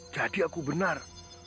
jadi aku benar